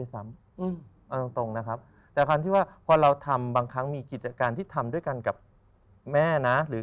ซ้ำเอาตรงนะครับแต่ความที่ว่าพอเราทำบางครั้งมีกิจการที่ทำด้วยกันกับแม่นะหรือ